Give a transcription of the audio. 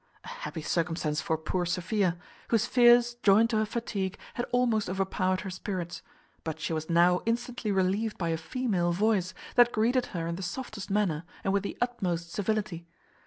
A happy circumstance for poor Sophia; whose fears, joined to her fatigue, had almost overpowered her spirits; but she was now instantly relieved by a female voice, that greeted her in the softest manner, and with the utmost civility.